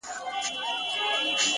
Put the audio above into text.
ژوند د انتخابونو خاموشه مجموعه ده.